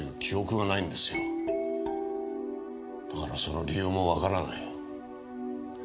だからその理由もわからない。